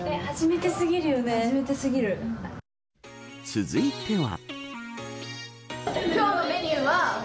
続いては。